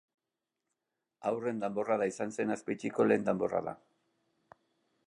Haurren danborrada izan zen Azpeitiko lehen danborrada.